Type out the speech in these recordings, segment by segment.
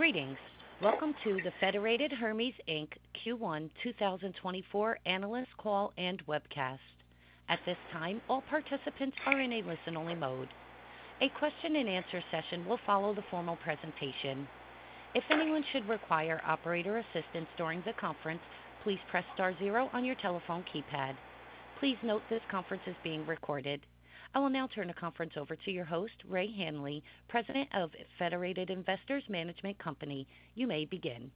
Greetings! Welcome to the Federated Hermes, Inc., Q1 2024 Analyst Call and Webcast. At this time, all participants are in a listen-only mode. A question-and-answer session will follow the formal presentation. If anyone should require operator assistance during the conference, please press star zero on your telephone keypad. Please note this conference is being recorded. I will now turn the conference over to your host, Ray Hanley, President of Federated Investors Management Company. You may begin.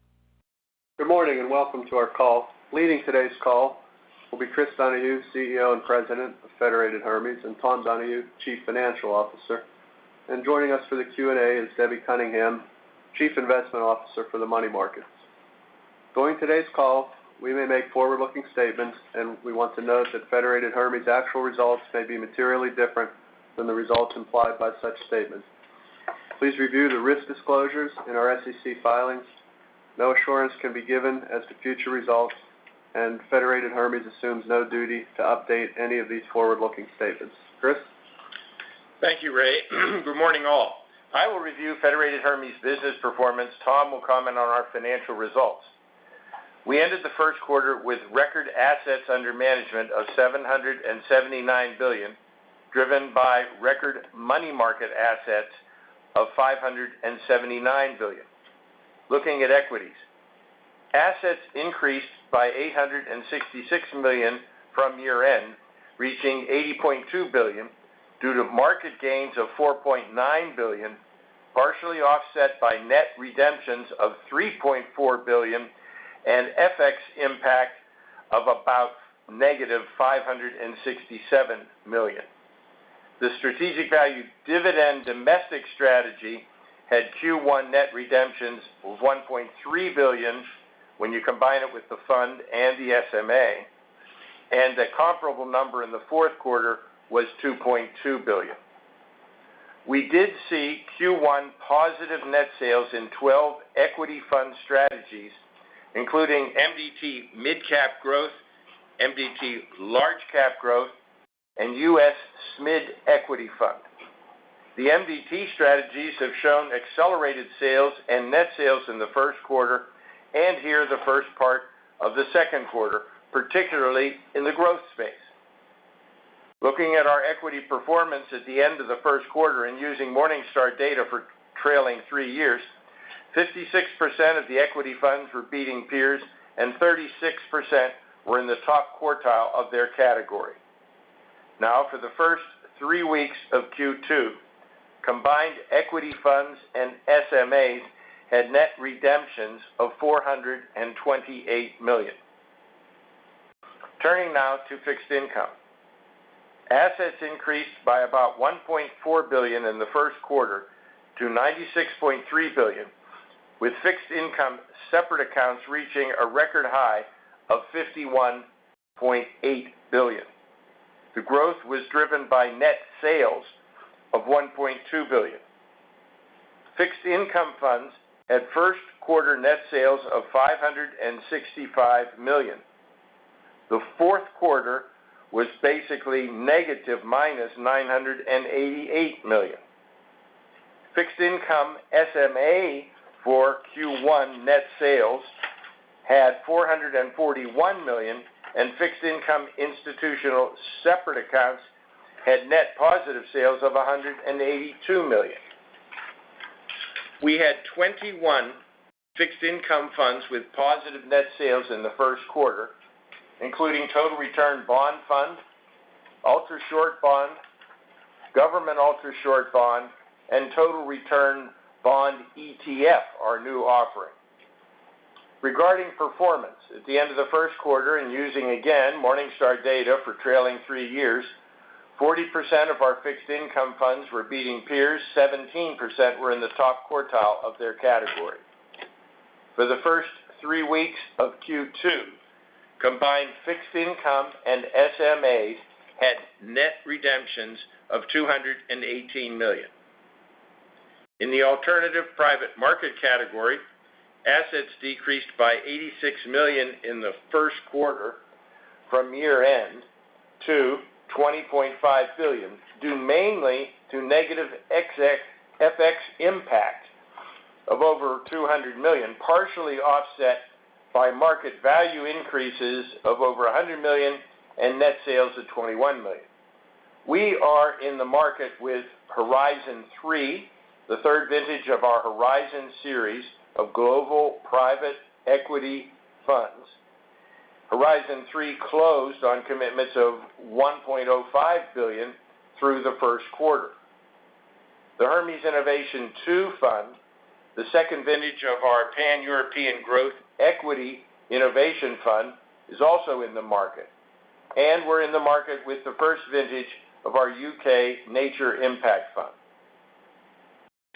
Good morning, and welcome to our call. Leading today's call will be Chris Donahue, CEO and President of Federated Hermes, and Tom Donahue, Chief Financial Officer. And joining us for the Q&A is Debbie Cunningham, Chief Investment Officer for the Money Markets. During today's call, we may make forward-looking statements, and we want to note that Federated Hermes actual results may be materially different than the results implied by such statements. Please review the risk disclosures in our SEC filings. No assurance can be given as to future results, and Federated Hermes assumes no duty to update any of these forward-looking statements. Chris? Thank you, Ray. Good morning, all. I will review Federated Hermes' business performance. Tom will comment on our financial results. We ended the first quarter with record assets under management of $779 billion, driven by record money market assets of $579 billion. Looking at equities, assets increased by $866 million from year-end, reaching $80.2 billion due to market gains of $4.9 billion, partially offset by net redemptions of $3.4 billion and FX impact of about -$567 million. The strategic value dividend domestic strategy had Q1 net redemptions of $1.3 billion when you combine it with the fund and the SMA, and the comparable number in the fourth quarter was $2.2 billion. We did see Q1 positive net sales in 12 equity fund strategies, including MDT Mid Cap Growth, MDT Large Cap Growth, and US SMID Equity Fund. The MDT strategies have shown accelerated sales and net sales in the first quarter and here the first part of the second quarter, particularly in the growth space. Looking at our equity performance at the end of the first quarter and using Morningstar data for trailing three years, 56% of the equity funds were beating peers and 36% were in the top quartile of their category. Now, for the first three weeks of Q2, combined equity funds and SMAs had net redemptions of $428 million. Turning now to fixed income. Assets increased by about $1.4 billion in the first quarter to $96.3 billion, with fixed income separate accounts reaching a record high of $51.8 billion. The growth was driven by net sales of $1.2 billion. Fixed income funds [had] first quarter net sales of $565 million. The fourth quarter was basically negative, -$988 million. Fixed income SMA for Q1 net sales had $441 million, and fixed income institutional separate accounts had net positive sales of $182 million. We had 21 fixed income funds with positive net sales in the first quarter, including Total Return Bond Fund, Ultrashort Bond, Government Ultrashort, and Total Return Bond ETF, our new offering. Regarding performance, at the end of the first quarter, and using, again, Morningstar data for trailing 3 years, 40% of our fixed income funds were beating peers. 17% were in the top quartile of their category. For the first 3 weeks of Q2, combined fixed income and SMAs had net redemptions of $218 million. In the alternative private market category, assets decreased by $86 million in the first quarter from year-end to $20.5 billion, due mainly to negative FX impact of over $200 million, partially offset by market value increases of over $100 million and net sales of $21 million. We are in the market with Horizon III, the third vintage of our Horizon series of global private equity funds. Horizon III closed on commitments of $1.05 billion through the first quarter. The Hermes Innovation II Fund, the second vintage of our Pan-European Growth Equity Innovation Fund, is also in the market, and we're in the market with the first vintage of our UK Nature Impact Fund.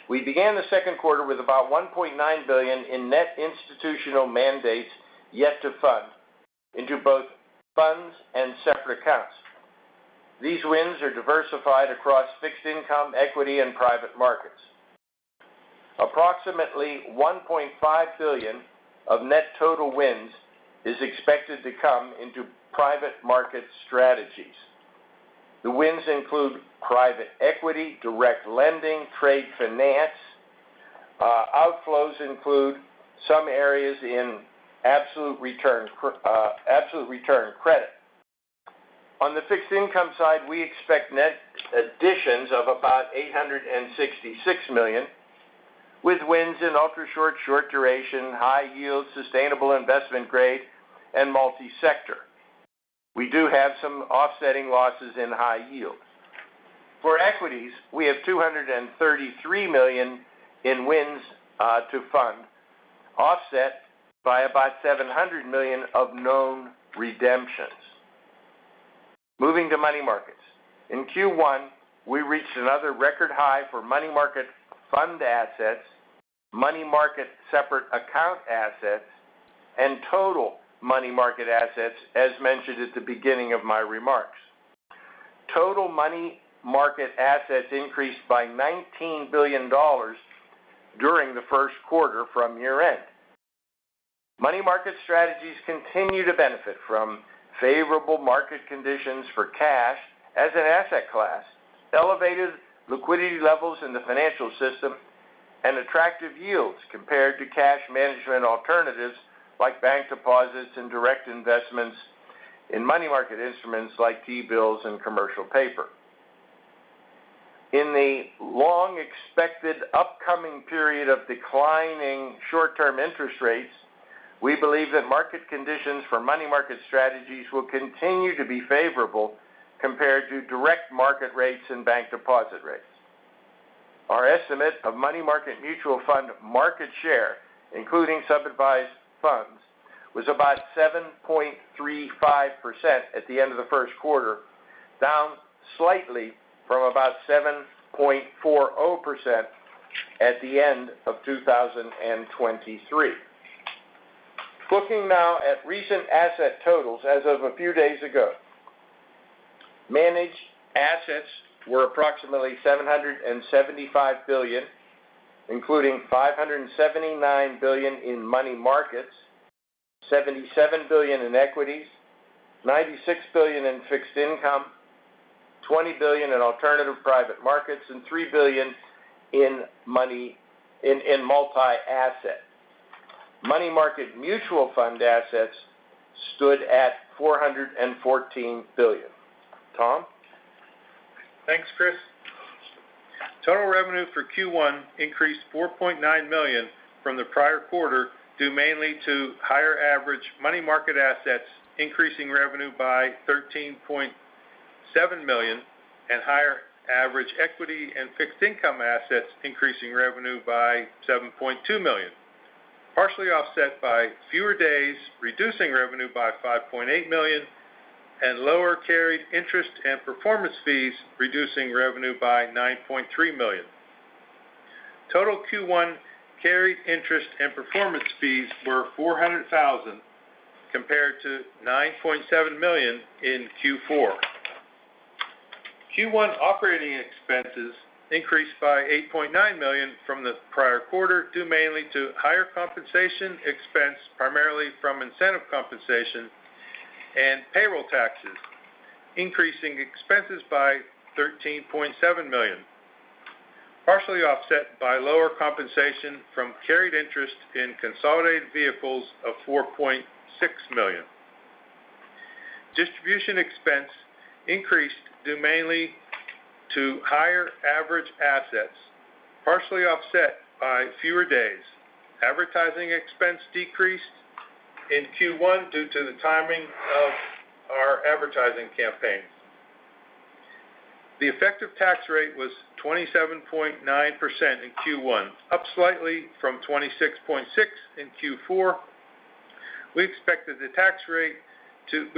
We began the second quarter with about $1.9 billion in net institutional mandates yet to fund into both funds and separate accounts. These wins are diversified across fixed income, equity, and private markets. Approximately $1.5 billion of net total wins is expected to come into private market strategies. The wins include private equity, direct lending, trade finance. Outflows include some areas in absolute return credit. On the fixed income side, we expect net additions of about $866 million, with wins in ultra-short, short duration, high yield, sustainable investment grade, and multi-sector. We do have some offsetting losses in high yield. For equities, we have $233 million in wins, to fund, offset by about $700 million of known redemptions. Moving to money markets. In Q1, we reached another record high for money market fund assets, money market separate account assets, and total money market assets, as mentioned at the beginning of my remarks. Total money market assets increased by $19 billion during the first quarter from year-end. Money market strategies continue to benefit from favorable market conditions for cash as an asset class, elevated liquidity levels in the financial system, and attractive yields compared to cash management alternatives like bank deposits and direct investments in money market instruments like T-bills and commercial paper. In the long-expected upcoming period of declining short-term interest rates, we believe that market conditions for money market strategies will continue to be favorable compared to direct market rates and bank deposit rates. Our estimate of money market mutual fund market share, including sub-advised funds, was about 7.35% at the end of the first quarter, down slightly from about 7.40% at the end of 2023. Looking now at recent asset totals as of a few days ago. Managed assets were approximately $775 billion, including $579 billion in money markets, $77 billion in equities, $96 billion in fixed income, $20 billion in alternative private markets, and $3 billion in money in multi-asset. Money market mutual fund assets stood at $414 billion. Tom? Thanks, Chris. Total revenue for Q1 increased $4.9 million from the prior quarter, due mainly to higher average money market assets, increasing revenue by $13.7 million, and higher average equity and fixed income assets, increasing revenue by $7.2 million, partially offset by fewer days, reducing revenue by $5.8 million, and lower carried interest and performance fees, reducing revenue by $9.3 million. Total Q1 carried interest and performance fees were $400,000, compared to $9.7 million in Q4. Q1 operating expenses increased by $8.9 million from the prior quarter, due mainly to higher compensation expense, primarily from incentive compensation and payroll taxes, increasing expenses by $13.7 million, partially offset by lower compensation from carried interest in consolidated vehicles of $4.6 million. Distribution expense increased, due mainly to higher average assets, partially offset by fewer days. Advertising expense decreased in Q1 due to the timing of our advertising campaigns. The effective tax rate was 27.9% in Q1, up slightly from 26.6% in Q4. We expect the tax rate to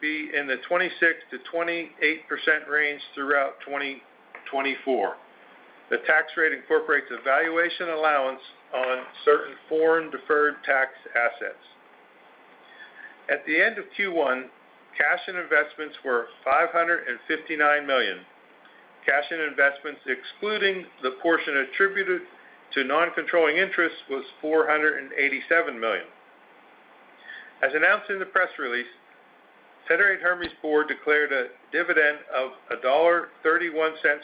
be in the 26%-28% range throughout 2024. The tax rate incorporates a valuation allowance on certain foreign deferred tax assets. At the end of Q1, cash and investments were $559 million. Cash and investments, excluding the portion attributed to non-controlling interests, was $487 million. As announced in the press release, Federated Hermes Board declared a dividend of $1.31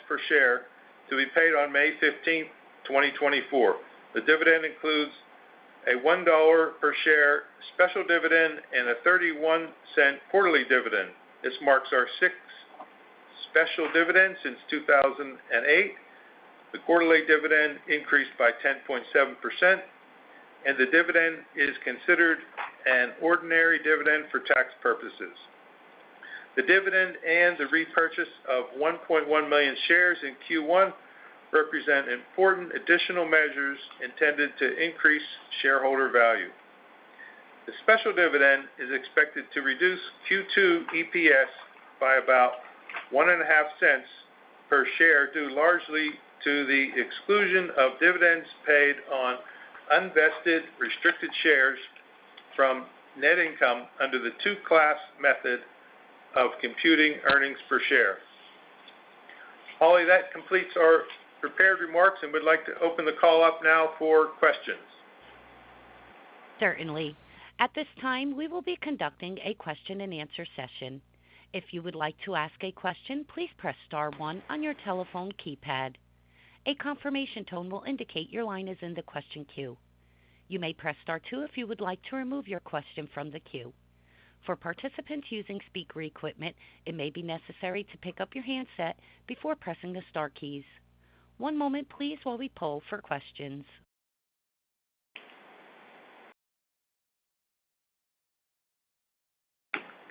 per share to be paid on May 15, 2024. The dividend includes a $1 per share special dividend and a $0.31 quarterly dividend. This marks our sixth special dividend since 2008. The quarterly dividend increased by 10.7%, and the dividend is considered an ordinary dividend for tax purposes. The dividend and the repurchase of 1.1 million shares in Q1 represent important additional measures intended to increase shareholder value. The special dividend is expected to reduce Q2 EPS by about $0.015 per share, due largely to the exclusion of dividends paid on unvested, restricted shares from net income under the two-class method of computing earnings per share. Holly, that completes our prepared remarks, and we'd like to open the call up now for questions. ...Certainly. At this time, we will be conducting a question-and-answer session. If you would like to ask a question, please press star one on your telephone keypad. A confirmation tone will indicate your line is in the question queue. You may press star two if you would like to remove your question from the queue. For participants using speaker equipment, it may be necessary to pick up your handset before pressing the star keys. One moment, please, while we poll for questions.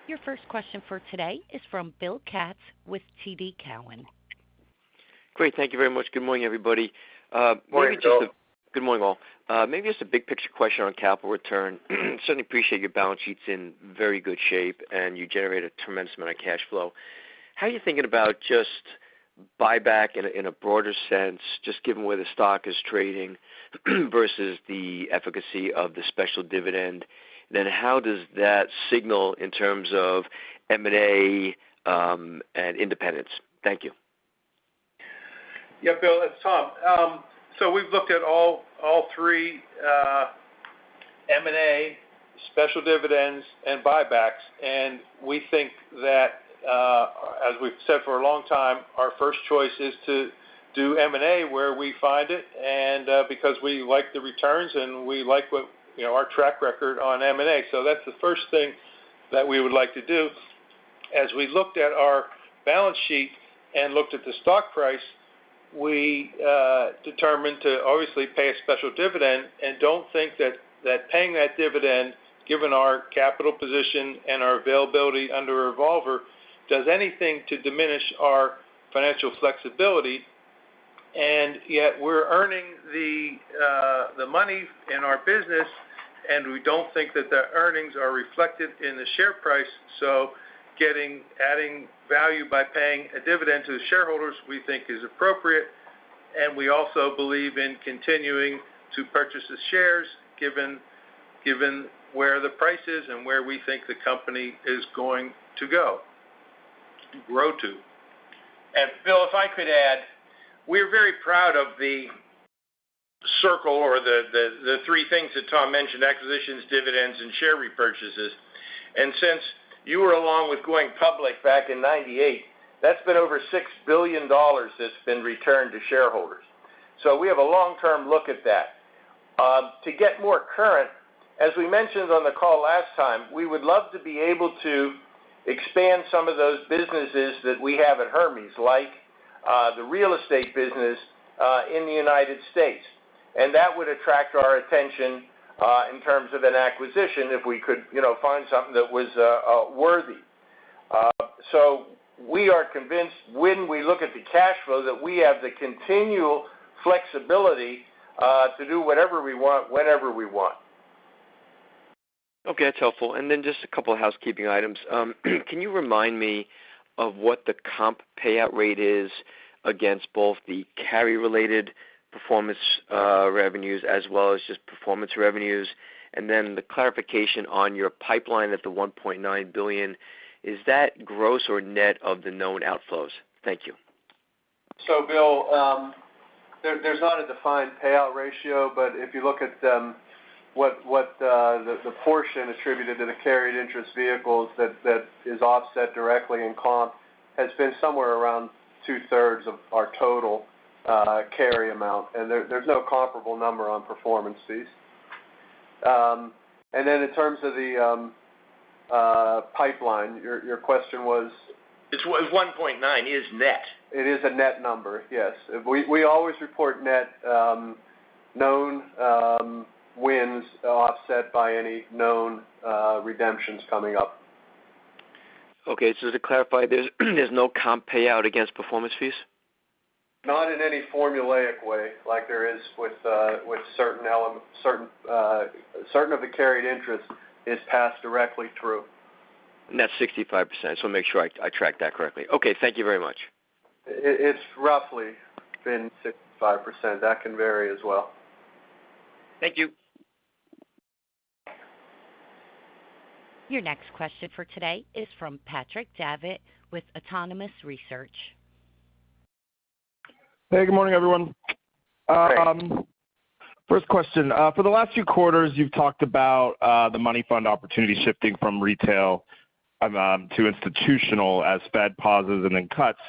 Your first question for today is from Bill Katz with TD Cowen. Great. Thank you very much. Good morning, everybody. Good morning, Bill. Good morning, all. Maybe just a big-picture question on capital return. Certainly appreciate your balance sheet's in very good shape, and you generate a tremendous amount of cash flow. How are you thinking about just buyback in a broader sense, just given where the stock is trading, versus the efficacy of the special dividend? Then how does that signal in terms of M&A, and independence? Thank you. Yeah, Bill, it's Tom. So we've looked at all, all three, M&A, special dividends, and buybacks, and we think that, as we've said for a long time, our first choice is to do M&A, where we find it, and because we like the returns, and we like what... You know, our track record on M&A. So that's the first thing that we would like to do. As we looked at our balance sheet and looked at the stock price, we determined to obviously pay a special dividend and don't think that, that paying that dividend, given our capital position and our availability under a revolver, does anything to diminish our financial flexibility. And yet we're earning the money in our business, and we don't think that the earnings are reflected in the share price, so adding value by paying a dividend to the shareholders, we think is appropriate, and we also believe in continuing to purchase the shares, given where the price is and where we think the company is going to grow to. And Bill, if I could add, we're very proud of the circle or the three things that Tom mentioned, acquisitions, dividends, and share repurchases. And since you were along with going public back in 1998, that's been over $6 billion that's been returned to shareholders. So we have a long-term look at that. To get more current, as we mentioned on the call last time, we would love to be able to expand some of those businesses that we have at Hermes, like the real estate business in the United States. And that would attract our attention in terms of an acquisition, if we could, you know, find something that was worthy. So we are convinced, when we look at the cash flow, that we have the continual flexibility to do whatever we want, whenever we want. Okay, that's helpful. And then just a couple of housekeeping items. Can you remind me of what the comp payout rate is against both the carry-related performance revenues as well as just performance revenues? And then the clarification on your pipeline at the $1.9 billion, is that gross or net of the known outflows? Thank you. So, Bill, there's not a defined payout ratio, but if you look at what the portion attributed to the carried interest vehicles, that is offset directly in comp, has been somewhere around 2/3 of our total carry amount, and there's no comparable number on performance fees. And then in terms of the pipeline, your question was? It's 1.9 is net. It is a net number, yes. We always report net known wins offset by any known redemptions coming up. Okay, so to clarify, there's no comp payout against performance fees? Not in any formulaic way, like there is with certain of the carried interest is passed directly through. That's 65%, so make sure I, I track that correctly. Okay, thank you very much. It's roughly been 65%. That can vary as well. Thank you. Your next question for today is from Patrick Davitt with Autonomous Research. Hey, good morning, everyone. Good morning. First question. For the last few quarters, you've talked about the money fund opportunity shifting from retail to institutional as Fed pauses and then cuts.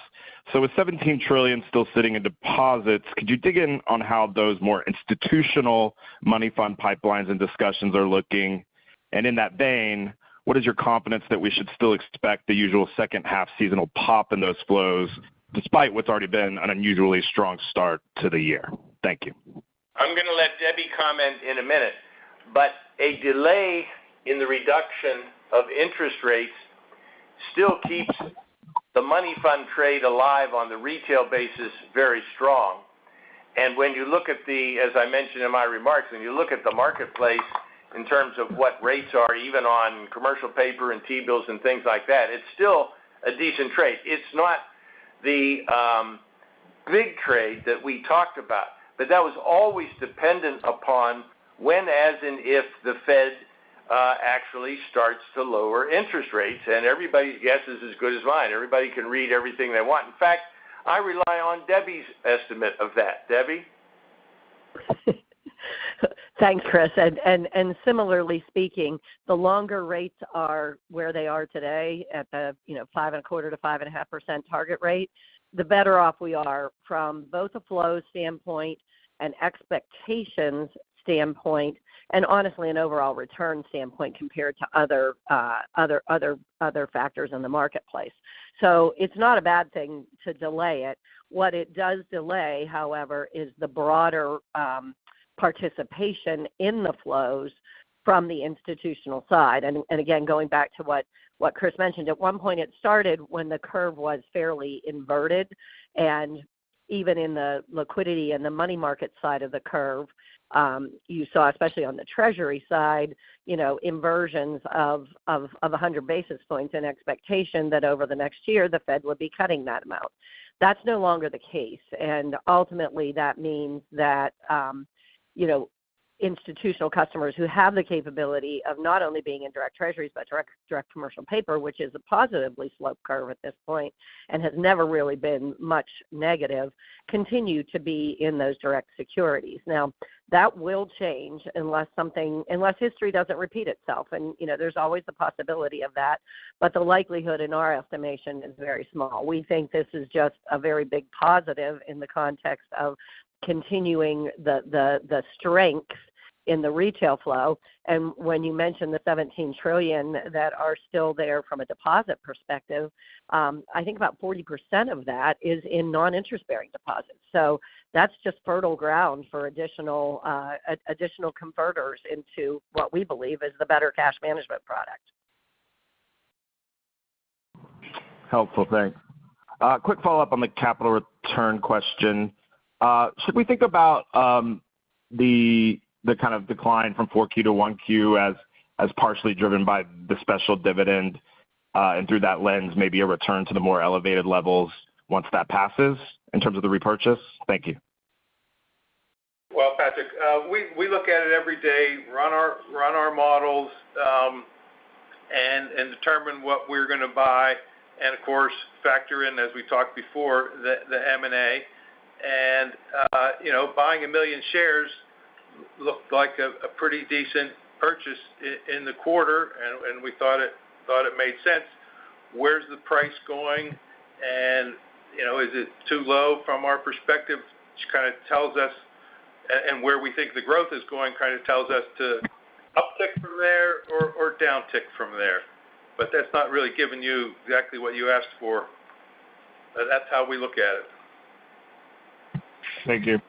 So with $17 trillion still sitting in deposits, could you dig in on how those more institutional money fund pipelines and discussions are looking? And in that vein, what is your confidence that we should still expect the usual second half seasonal pop in those flows, despite what's already been an unusually strong start to the year? Thank you. I'm gonna let Debbie comment in a minute, but a delay in the reduction of interest rates still keeps the money fund trade alive on the retail basis, very strong. And when you look at the—as I mentioned in my remarks, when you look at the marketplace in terms of what rates are, even on commercial paper and T-bills and things like that, it's still a decent trade. It's not the big trade that we talked about, but that was always dependent upon when, as, and if the Fed—... actually starts to lower interest rates, and everybody's guess is as good as mine. Everybody can read everything they want. In fact, I rely on Debbie's estimate of that. Debbie? Thanks, Chris. And similarly speaking, the longer rates are where they are today at the, you know, 5.25%-5.5% target rate, the better off we are from both a flow standpoint and expectations standpoint, and honestly, an overall return standpoint compared to other, other, other factors in the marketplace. So it's not a bad thing to delay it. What it does delay, however, is the broader participation in the flows from the institutional side. And again, going back to what Chris mentioned, at one point, it started when the curve was fairly inverted, and even in the liquidity and the money market side of the curve, you saw, especially on the treasury side, you know, inversions of 100 basis points and expectation that over the next year, the Fed would be cutting that amount. That's no longer the case. And ultimately, that means that, you know, institutional customers who have the capability of not only being in direct treasuries, but direct commercial paper, which is a positively sloped curve at this point and has never really been much negative, continue to be in those direct securities. Now, that will change unless history doesn't repeat itself, and, you know, there's always the possibility of that, but the likelihood in our estimation is very small. We think this is just a very big positive in the context of continuing the strength in the retail flow. And when you mention the $17 trillion that are still there from a deposit perspective, I think about 40% of that is in non-interest-bearing deposits. So that's just fertile ground for additional converters into what we believe is the better cash management product. Helpful, thanks. Quick follow-up on the capital return question. Should we think about the kind of decline from 4Q to 1Q as partially driven by the special dividend, and through that lens, maybe a return to the more elevated levels once that passes in terms of the repurchase? Thank you. Well, Patrick, we look at it every day, run our models, and determine what we're gonna buy, and of course, factor in, as we talked before, the M&A. And, you know, buying 1 million shares looked like a pretty decent purchase in the quarter, and we thought it made sense. Where's the price going? And, you know, is it too low from our perspective, which kind of tells us, and where we think the growth is going, kind of tells us to uptick from there or downtick from there. But that's not really giving you exactly what you asked for. But that's how we look at it. Thank you.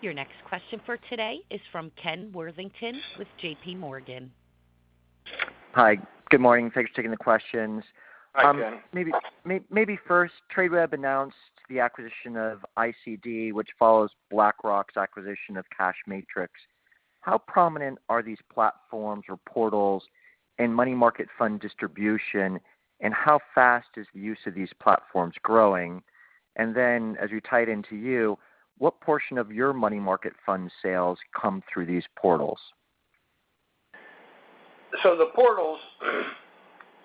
Your next question for today is from Ken Worthington with JP Morgan. Hi, good morning. Thanks for taking the questions. Hi, Ken. Tradeweb announced the acquisition of ICD, which follows BlackRock's acquisition of Cachematrix. How prominent are these platforms or portals in money market fund distribution, and how fast is the use of these platforms growing? And then, as we tie it into you, what portion of your money market fund sales come through these portals? So the portals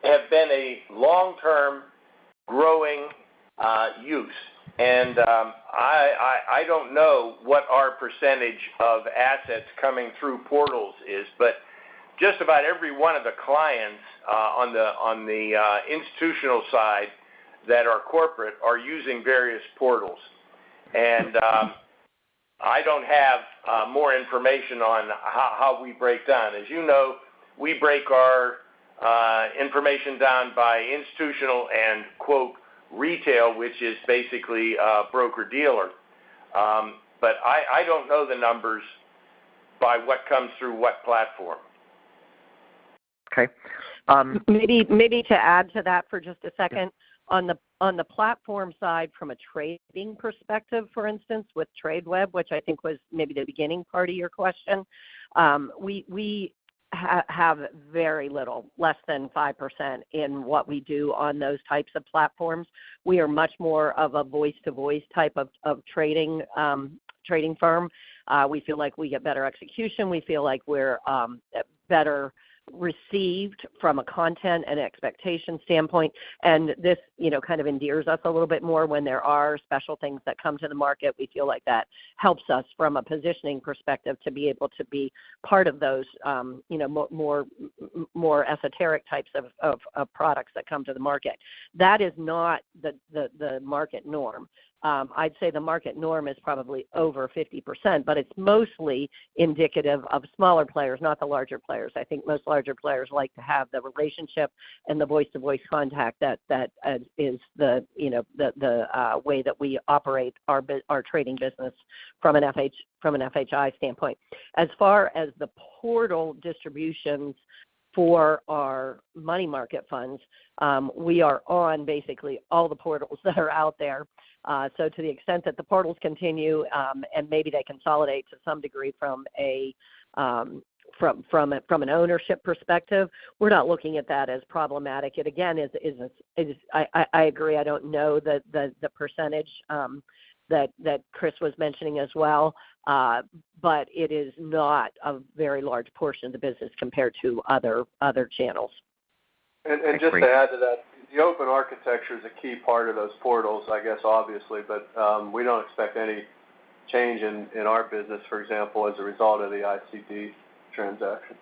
have been a long-term growing use. And, I don't know what our percentage of assets coming through portals is, but just about every one of the clients on the institutional side that are corporate are using various portals. And, I don't have more information on how we break down. As you know, we break our information down by institutional and, quote, retail, which is basically a broker-dealer. But I don't know the numbers by what comes through what platform. Okay. Um- Maybe, maybe to add to that for just a second. Yeah. On the platform side, from a trading perspective, for instance, with Tradeweb, which I think was maybe the beginning part of your question, we have very little, less than 5% in what we do on those types of platforms. We are much more of a voice-to-voice type of trading firm. We feel like we get better execution. We feel like we're better received from a content and expectation standpoint, and this, you know, kind of endears us a little bit more when there are special things that come to the market. We feel like that helps us from a positioning perspective, to be able to be part of those, you know, more esoteric types of products that come to the market. That is not the market norm. I'd say the market norm is probably over 50%, but it's mostly indicative of smaller players, not the larger players. I think most larger players like to have the relationship and the voice-to-voice contact that is the, you know, the way that we operate our business from an FHI standpoint. As far as the portal distributions for our money market funds, we are on basically all the portals that are out there. So to the extent that the portals continue, and maybe they consolidate to some degree from an ownership perspective, we're not looking at that as problematic. It again is I agree, I don't know the percentage that Chris was mentioning as well. But it is not a very large portion of the business compared to other channels. And just to add to that, the open architecture is a key part of those portals, I guess, obviously, but we don't expect any change in our business, for example, as a result of the ICD transaction.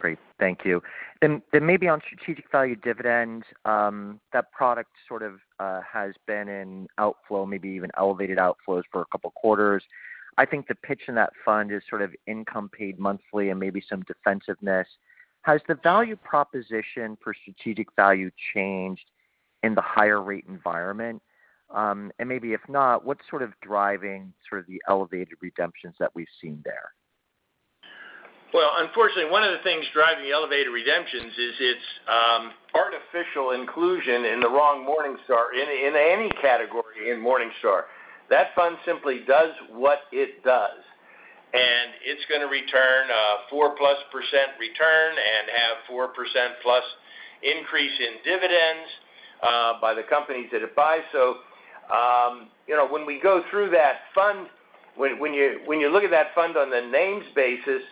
Great. Thank you. And, and maybe on Strategic Value Dividend, that product sort of has been in outflow, maybe even elevated outflows for a couple quarters. I think the pitch in that fund is sort of income paid monthly and maybe some defensiveness. Has the value proposition for Strategic Value changed in the higher rate environment? And maybe if not, what's sort of driving sort of the elevated redemptions that we've seen there? Well, unfortunately, one of the things driving the elevated redemptions is its artificial inclusion in the wrong category in Morningstar. That fund simply does what it does, and it's gonna return a 4%+ return and have 4%+ increase in dividends by the companies that it buys. So, you know, when we go through that fund, when you look at that fund on the names basis,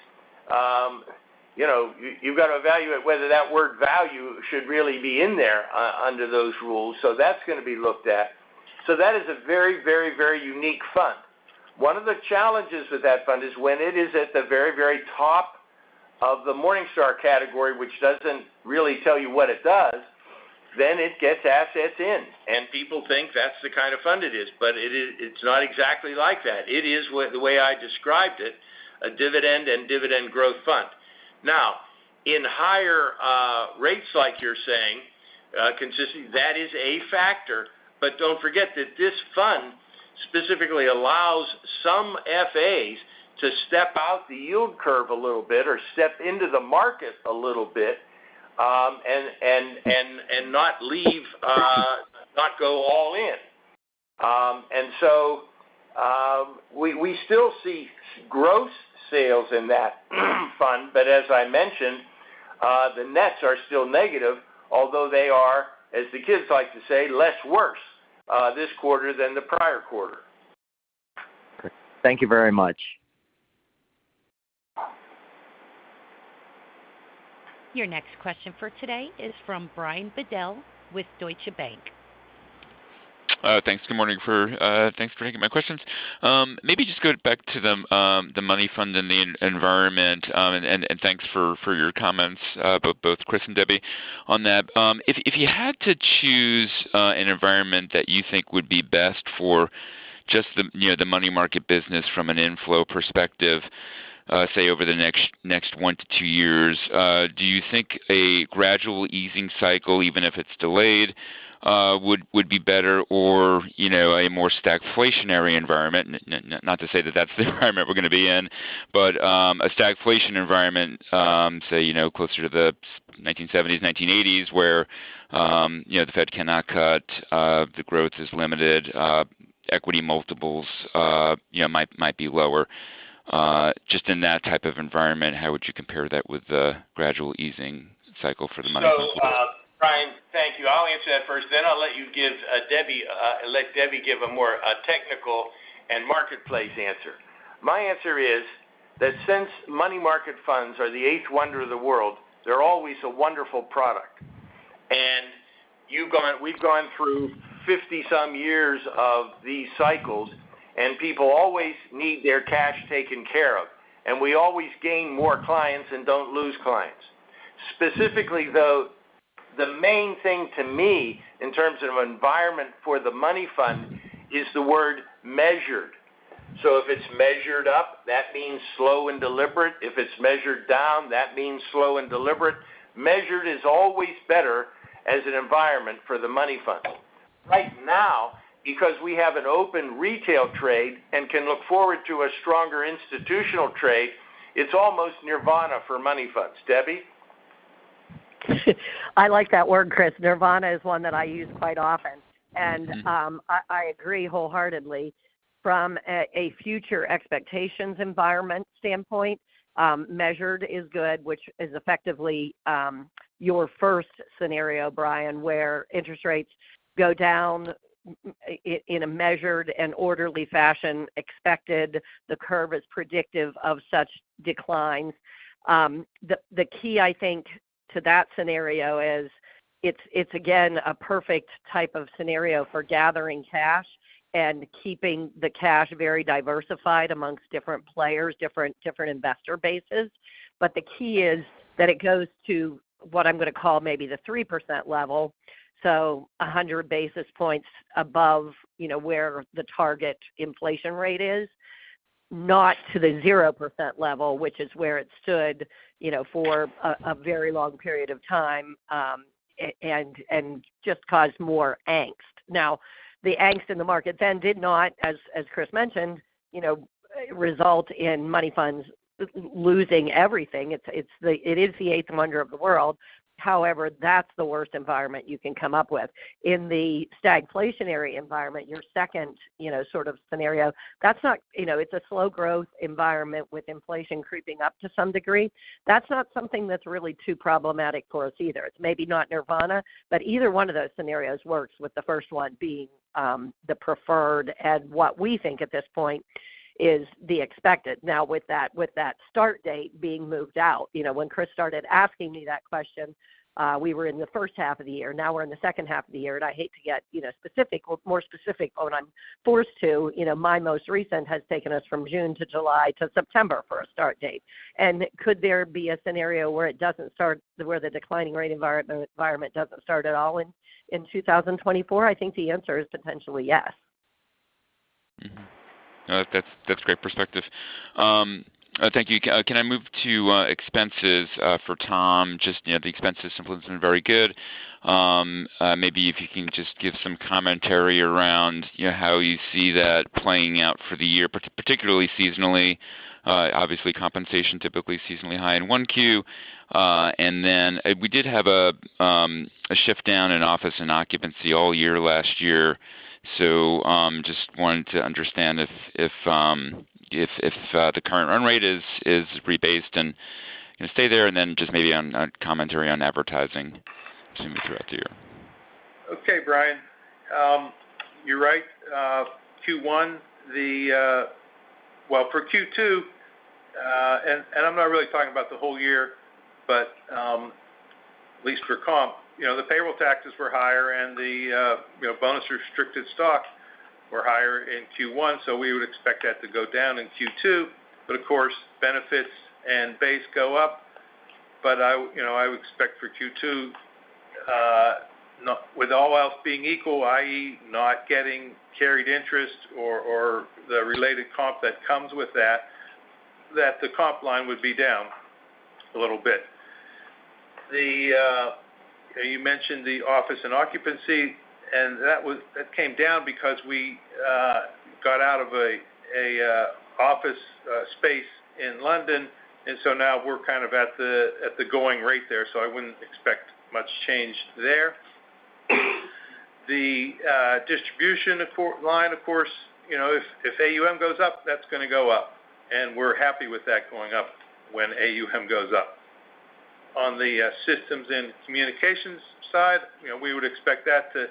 you know, you've got to evaluate whether that word value should really be in there under those rules. So that's gonna be looked at. So that is a very, very, very unique fund. One of the challenges with that fund is when it is at the very, very top of the Morningstar category, which doesn't really tell you what it does, then it gets assets in, and people think that's the kind of fund it is, but it is, it's not exactly like that. It is what, the way I described it, a dividend and dividend growth fund. Now, in higher rates like you're saying, consistent, that is a factor. But don't forget that this fund specifically allows some FAs to step out the yield curve a little bit, or step into the market a little bit, and not leave, not go all in. We still see gross sales in that fund, but as I mentioned, the nets are still negative, although they are, as the kids like to say, less worse this quarter than the prior quarter. Thank you very much. Your next question for today is from Brian Bedell with Deutsche Bank. Thanks. Good morning, thanks for taking my questions. Maybe just go back to the money fund and the environment, and thanks for your comments, both Chris and Debbie on that. If you had to choose an environment that you think would be best for just the, you know, the money market business from an inflow perspective, say, over the next 1-2 years, do you think a gradual easing cycle, even if it's delayed, would be better or, you know, a more stagflationary environment? Not to say that that's the environment we're gonna be in, but, a stagflation environment, say, you know, closer to the 1970s, 1980s, where, you know, the Fed cannot cut, the growth is limited, equity multiples, you know, might be lower. Just in that type of environment, how would you compare that with the gradual easing cycle for the money fund? So, Brian, thank you. I'll answer that first, then I'll let you give, Debbie, let Debbie give a more, a technical and marketplace answer. My answer is, that since money market funds are the eighth wonder of the world, they're always a wonderful product. And you've gone- we've gone through 50 some years of these cycles, and people always need their cash taken care of, and we always gain more clients and don't lose clients. Specifically, though, the main thing to me, in terms of environment for the money fund, is the word measured. So if it's measured up, that means slow and deliberate. If it's measured down, that means slow and deliberate. Measured is always better as an environment for the money fund. Right now, because we have an open retail trade and can look forward to a stronger institutional trade, it's almost nirvana for money funds. Debbie? I like that word, Chris. Nirvana is one that I use quite often. Mm-hmm. I agree wholeheartedly. From a future expectations environment standpoint, measured is good, which is effectively your first scenario, Brian, where interest rates go down in a measured and orderly fashion, expected, the curve is predictive of such declines. The key, I think, to that scenario is, it's again a perfect type of scenario for gathering cash and keeping the cash very diversified amongst different players, different investor bases. But the key is that it goes to what I'm gonna call maybe the 3% level, so 100 basis points above, you know, where the target inflation rate is, not to the 0% level, which is where it stood, you know, for a very long period of time, and just caused more angst. Now, the angst in the market then did not, as Chris mentioned, you know, result in money funds losing everything. It's the eighth wonder of the world. However, that's the worst environment you can come up with. In the stagflationary environment, your second, you know, sort of scenario, that's not, you know, it's a slow growth environment with inflation creeping up to some degree. That's not something that's really too problematic for us either. It's maybe not nirvana, but either one of those scenarios works, with the first one being the preferred, and what we think at this point is the expected. Now, with that start date being moved out, you know, when Chris started asking me that question, we were in the first half of the year. Now we're in the second half of the year, and I hate to get, you know, specific or more specific, but I'm forced to. You know, my most recent has taken us from June to July to September for a start date. Could there be a scenario where it doesn't start, where the declining rate environment doesn't start at all in 2024? I think the answer is potentially yes. Mm-hmm. No, that's, that's great perspective. Thank you. Can I move to expenses for Tom? Just, you know, the expenses have been very good. Maybe if you can just give some commentary around, you know, how you see that playing out for the year, particularly seasonally. Obviously, compensation typically seasonally high in one Q. And then we did have a shift down in office and occupancy all year last year. So, just wanted to understand if the current run rate is rebased and, you know, stay there, and then just maybe on commentary on advertising assuming throughout the year. Okay, Brian. You're right. Q1, the... Well, for Q2 and I'm not really talking about the whole year, but at least for comp, you know, the payroll taxes were higher and the, you know, bonus restricted stock were higher in Q1, so we would expect that to go down in Q2. But of course, benefits and base go up. But you know, I would expect for Q2, with all else being equal, i.e., not getting carried interest or the related comp that comes with that, that the comp line would be down a little bit. The, you mentioned the office and occupancy, and that was- that came down because we got out of a office space in London, and so now we're kind of at the, at the going rate there, so I wouldn't expect much change there. The distribution for line, of course, you know, if AUM goes up, that's gonna go up, and we're happy with that going up when AUM goes up. On the systems and communications side, you know, we would expect that to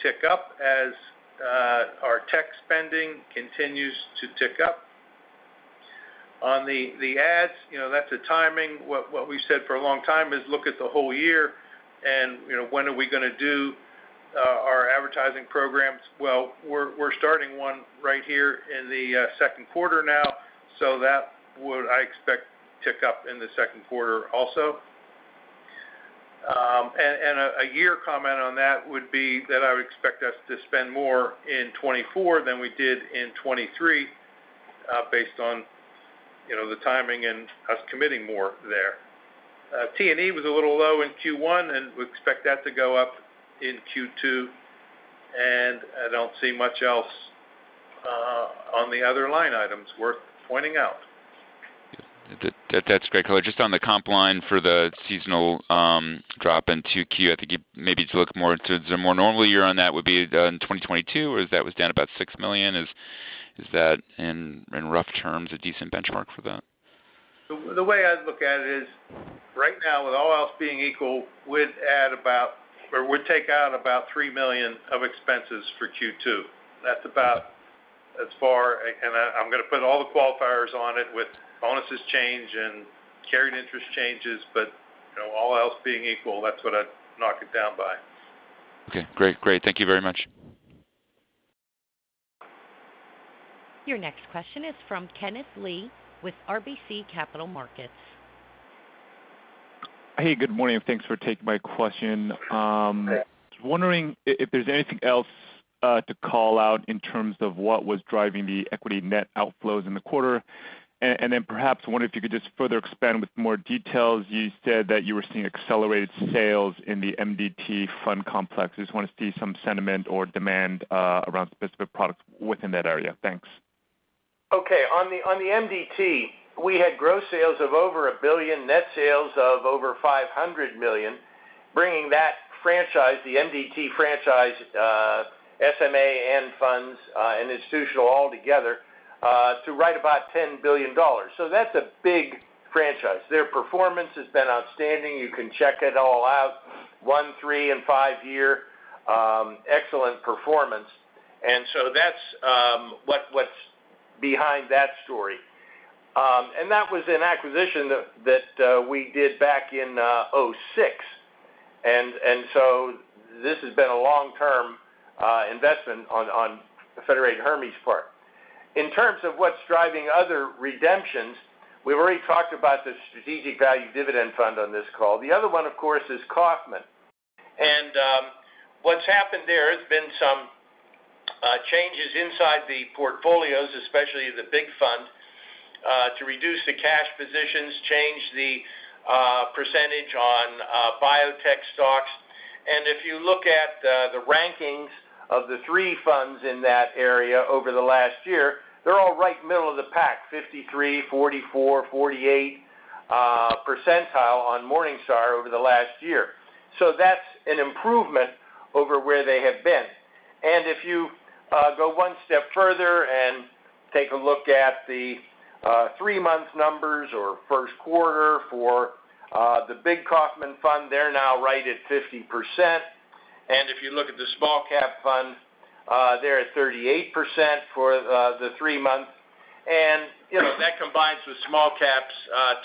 tick up as our tech spending continues to tick up. On the ads, you know, that's a timing. What we've said for a long time is look at the whole year and, you know, when are we gonna do our advertising programs? Well, we're starting one right here in the second quarter now, so that would, I expect, tick up in the second quarter also. And a year comment on that would be that I would expect us to spend more in 2024 than we did in 2023, based on, you know, the timing and us committing more there. T&E was a little low in Q1, and we expect that to go up in Q2, and I don't see much else on the other line items worth pointing out. That's great color. Just on the comp line for the seasonal drop into Q, I think you maybe to look more to the more normal year on that would be in 2022, or is that was down about $6 million. Is that, in rough terms, a decent benchmark for that? The way I'd look at it is, right now, with all else being equal, we'd add about... or we'd take out about $3 million of expenses for Q2. That's about as far, and I'm gonna put all the qualifiers on it with bonuses change and carried interest changes, but, you know, all else being equal, that's what I'd knock it down by. Okay, great. Great. Thank you very much. Your next question is from Kenneth Lee with RBC Capital Markets. Hey, good morning, and thanks for taking my question. Sure. Just wondering if there's anything else to call out in terms of what was driving the equity net outflows in the quarter, and, and then perhaps wondering if you could just further expand with more details. You said that you were seeing accelerated sales in the MDT fund complex. I just want to see some sentiment or demand around specific products within that area. Thanks. Okay. On the MDT, we had gross sales of over $1 billion, net sales of over $500 million, bringing that franchise, the MDT franchise, SMA and funds, and institutional all together, to right about $10 billion. So that's a big franchise. Their performance has been outstanding. You can check it all out, 1-, 3- and 5-year, excellent performance. And so that's, what, what's behind that story. And that was an acquisition that we did back in 2006. And so this has been a long-term investment on Federated Hermes' part. In terms of what's driving other redemptions, we've already talked about the Strategic Value Dividend Fund on this call. The other one, of course, is Kaufmann. And, what's happened there, there's been some changes inside the portfolios, especially the big fund.... to reduce the cash positions, change the percentage on biotech stocks. And if you look at the rankings of the three funds in that area over the last year, they're all right middle of the pack, 53, 44, 48 percentile on Morningstar over the last year. So that's an improvement over where they have been. And if you go one step further and take a look at the three-month numbers or first quarter for the big Kaufmann Fund, they're now right at 50%. And if you look at the small cap fund, they're at 38% for the three months. And, you know, that combines with small caps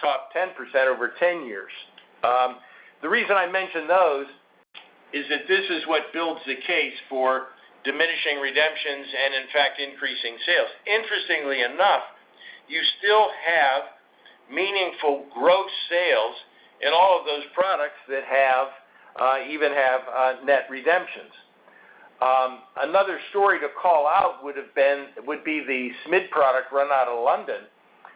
top 10% over 10 years. The reason I mention those is that this is what builds the case for diminishing redemptions and in fact, increasing sales. Interestingly enough, you still have meaningful gross sales in all of those products that have, even have, net redemptions. Another story to call out would be the SMID product run out of London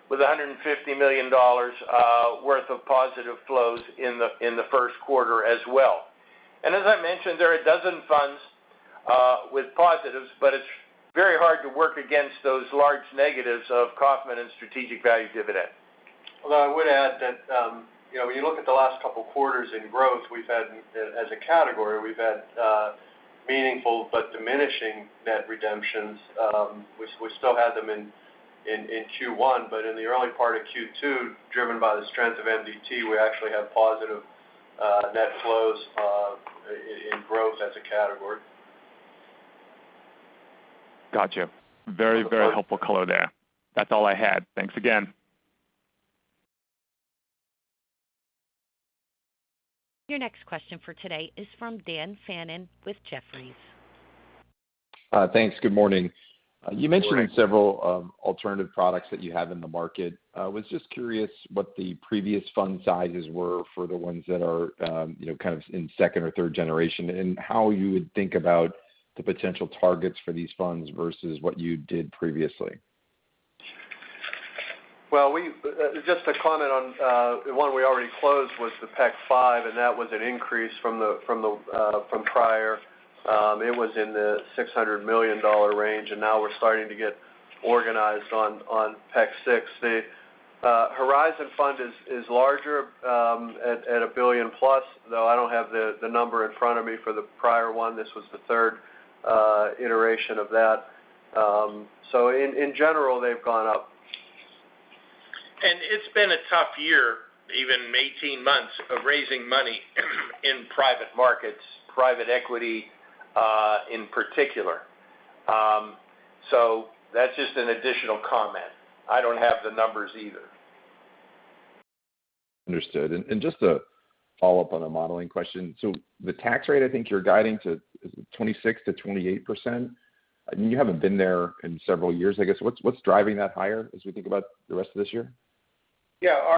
with $150 million worth of positive flows in the first quarter as well. And as I mentioned, there are a dozen funds with positives, but it's very hard to work against those large negatives of Kaufmann and Strategic Value Dividend. Although I would add that, you know, when you look at the last couple of quarters in growth, we've had, as a category, we've had meaningful but diminishing net redemptions. We still had them in Q1, but in the early part of Q2, driven by the strength of MDT, we actually have positive net flows in growth as a category. Got you. Very, very helpful color there. That's all I had. Thanks again. Your next question for today is from Dan Fannon with Jefferies. Thanks. Good morning. Good morning. You mentioned several alternative products that you have in the market. I was just curious what the previous fund sizes were for the ones that are, you know, kind of in second or third generation, and how you would think about the potential targets for these funds versus what you did previously? Well, we just to comment on the one we already closed was the PEC V, and that was an increase from the from prior. It was in the $600 million range, and now we're starting to get organized on PEC VI. The Horizon Fund is larger at $1 billion-plus, though I don't have the number in front of me for the prior one. This was the third iteration of that. So in general, they've gone up. It's been a tough year, even 18 months, of raising money in private markets, private equity, in particular. That's just an additional comment. I don't have the numbers either. Understood. And, just to follow up on a modeling question: so the tax rate, I think you're guiding to 26%-28%? I mean, you haven't been there in several years, I guess. What's driving that higher as we think about the rest of this year? Yeah,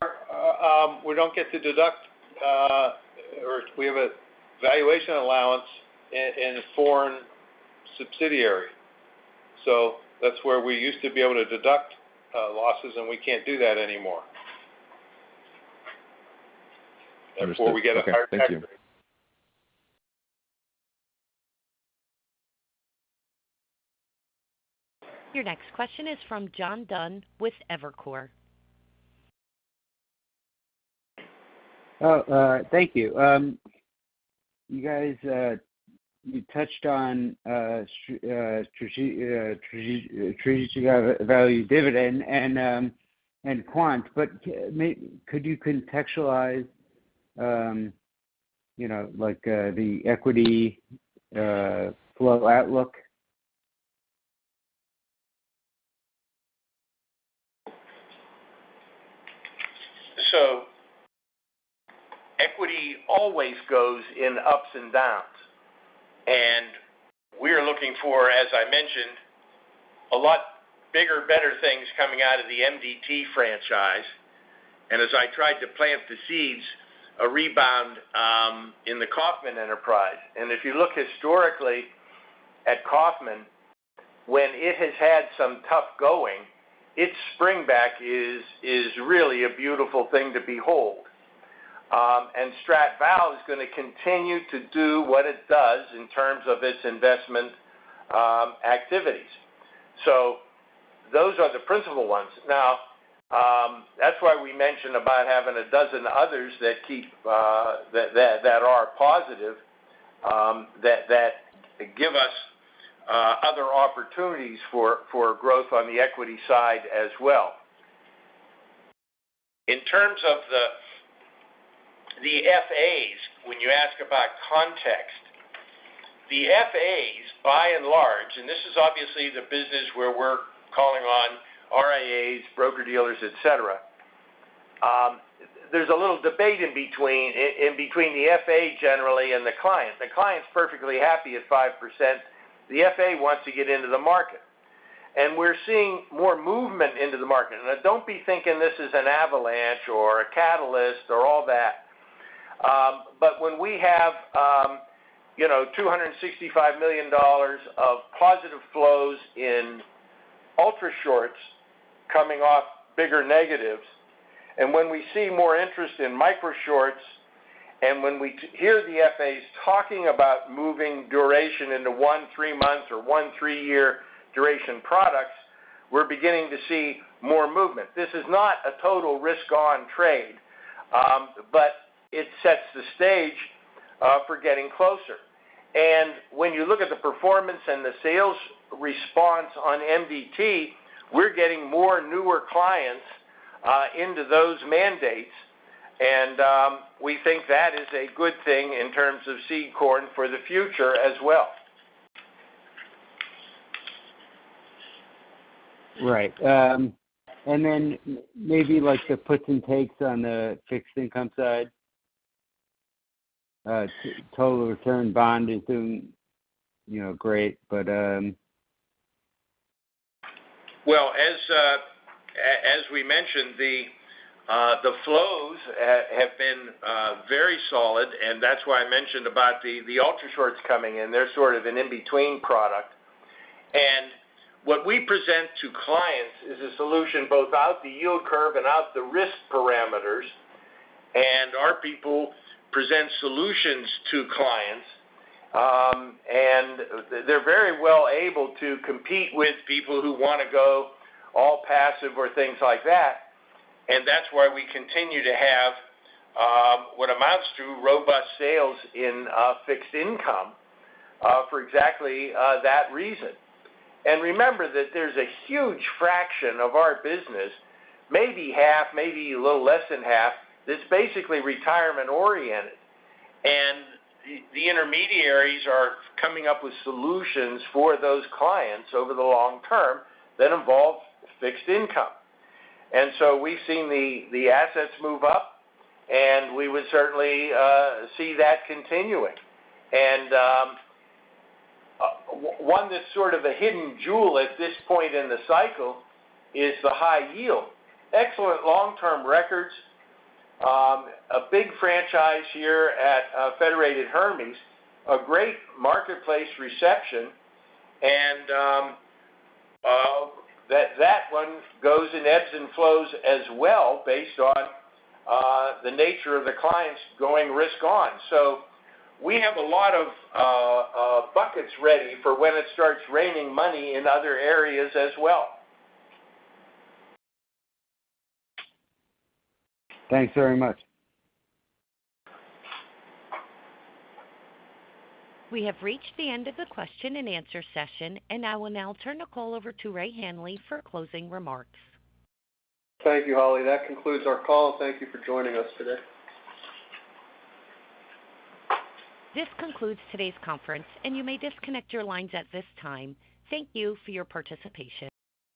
we don't get to deduct, or we have a valuation allowance in a foreign subsidiary. So that's where we used to be able to deduct losses, and we can't do that anymore. Understood. Before we get a higher tax rate. Okay, thank you. Your next question is from John Dunn with Evercore. Oh, thank you. You guys, you touched on Strategic Value Dividend and quant, but could you contextualize, you know, like, the equity flow outlook? So equity always goes in ups and downs, and we are looking for, as I mentioned, a lot bigger, better things coming out of the MDT franchise, and as I tried to plant the seeds, a rebound in the Kaufmann enterprise. And if you look historically at Kaufmann, when it has had some tough going, its springback is really a beautiful thing to behold. And Strat Val is gonna continue to do what it does in terms of its investment activities. So those are the principal ones. Now, that's why we mentioned about having a dozen others that keep that are positive, that give us other opportunities for growth on the equity side as well. In terms of the, the FAs, when you ask about context, the FAs, by and large, and this is obviously the business where we're calling on RIAs, broker-dealers, et cetera. There's a little debate in between the FA generally and the client. The client's perfectly happy at 5%. The FA wants to get into the market, and we're seeing more movement into the market. Now, don't be thinking this is an avalanche or a catalyst or all that.... We have, you know, $265 million of positive flows in ultrashorts coming off bigger negatives. And when we see more interest in micro shorts, and when we hear the FAs talking about moving duration into 1-3 months or 1-3-year duration products, we're beginning to see more movement. This is not a total risk-on trade, but it sets the stage for getting closer. When you look at the performance and the sales response on MDT, we're getting more newer clients into those mandates, and we think that is a good thing in terms of seed corn for the future as well. Right. And then maybe like the puts and takes on the fixed income side. Total Return Bond is doing, you know, great, but, Well, as we mentioned, the flows have been very solid, and that's why I mentioned about the ultrashorts coming in. They're sort of an in-between product. And what we present to clients is a solution, both out the yield curve and out the risk parameters, and our people present solutions to clients. They're very well able to compete with people who wanna go all passive or things like that, and that's why we continue to have what amounts to robust sales in fixed income for exactly that reason. And remember that there's a huge fraction of our business, maybe half, maybe a little less than half, that's basically retirement-oriented. And the intermediaries are coming up with solutions for those clients over the long term that involve fixed income. And so we've seen the assets move up, and we would certainly see that continuing. And one that's sort of a hidden jewel at this point in the cycle is the high yield. Excellent long-term records, a big franchise here at Federated Hermes, a great marketplace reception, and that one goes in ebbs and flows as well, based on the nature of the clients going risk-on. So we have a lot of buckets ready for when it starts raining money in other areas as well. Thanks very much. We have reached the end of the question-and-answer session, and I will now turn the call over to Ray Hanley for closing remarks. Thank you, Holly. That concludes our call. Thank you for joining us today. This concludes today's conference, and you may disconnect your lines at this time. Thank you for your participation.